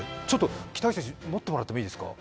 北口選手、持ってもらっていいですか？